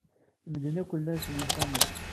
Medden akk llan ssnen Sami.